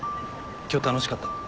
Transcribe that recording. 今日楽しかった。